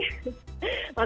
mama dan juga mami